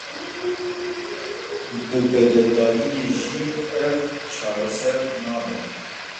Bi bedeldayînê jî ev çareser nabe.